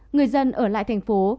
người dân ở lại tp hcm